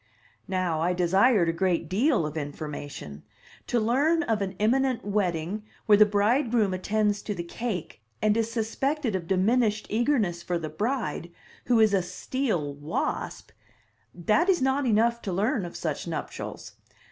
Now I desired a great deal of information. To learn of an imminent wedding where the bridegroom attends to the cake, and is suspected of diminished eagerness for the bride, who is a steel wasp that is not enough to learn of such nuptials.